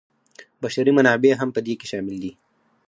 بشري منابع هم په دې کې شامل دي.